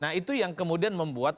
nah itu yang kemudian membuat